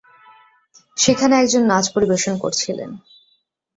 সেখানে একজন নাচ পরিবেশন করছিলেন।